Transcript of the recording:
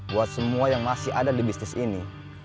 buat semua yang masih ada di bisnis ini